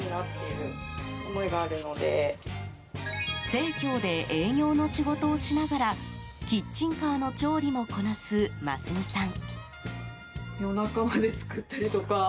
生協で営業の仕事をしながらキッチンカーの調理もこなす麻純さん。